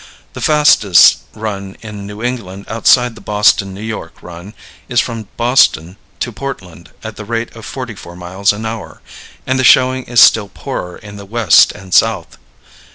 The fastest run in New England outside the Boston New York run is from Boston to Portland at the rate of 44 miles an hour, and the showing is still poorer in the West and South.